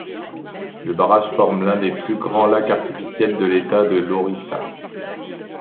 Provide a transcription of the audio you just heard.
Le barrage forme l'un des plus grands lacs artificiels de l'état de l'Orissa.